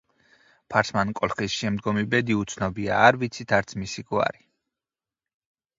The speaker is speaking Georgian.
ფარსმან კოლხის შემდგომი ბედი უცნობია, არ ვიცით არც მისი გვარი.